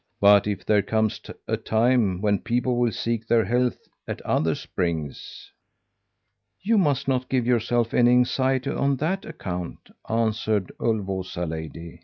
'But if there comes a time when people will seek their health at other springs?' "'You must not give yourself any anxiety on that account,' answered Ulvåsa lady.